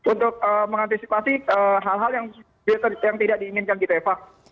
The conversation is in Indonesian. untuk mengantisipasi hal hal yang tidak diinginkan gitu eva